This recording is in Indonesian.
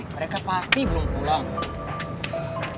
mereka pasti belum pulang